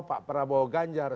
pak prabowo ganjar